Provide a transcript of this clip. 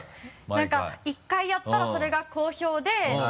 なんか１回やったらそれが好評で。